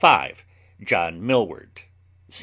JOHN MILLWARD, do.